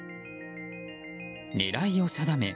狙いを定め